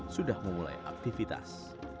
sudah memulai aktivitas